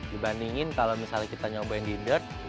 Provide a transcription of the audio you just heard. dibandingin kalau misalnya kita nyobain di dirt